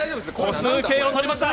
歩数計を取りました。